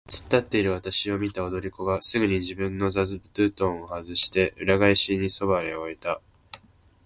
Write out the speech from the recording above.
つっ立っているわたしを見た踊り子がすぐに自分の座布団をはずして、裏返しにそばへ置いた。